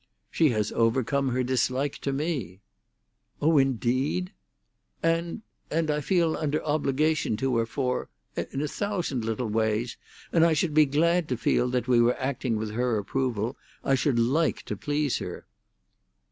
"She has overcome her dislike to me." "Oh, indeed!" "And—and I feel under obligation to her for—in a thousand little ways; and I should be glad to feel that we were acting with her approval; I should like to please her."